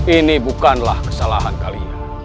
ini bukanlah kesalahan kalian